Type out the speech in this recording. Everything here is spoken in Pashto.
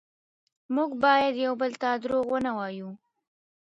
موږ باید یو بل ته دروغ ونه وایو